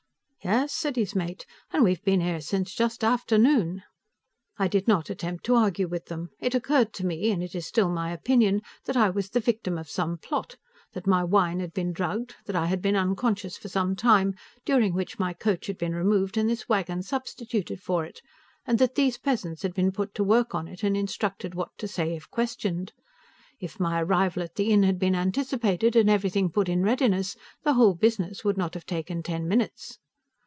"Yes," said his mate, "and we've been here since just after noon." I did not attempt to argue with them. It occurred to me and it is still my opinion that I was the victim of some plot; that my wine had been drugged, that I had been unconscious for some time, during which my coach had been removed and this wagon substituted for it, and that these peasants had been put to work on it and instructed what to say if questioned. If my arrival at the inn had been anticipated, and everything put in readiness, the whole business would not have taken ten minutes.